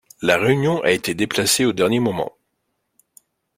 La réunion a été déplacée au dernier moment.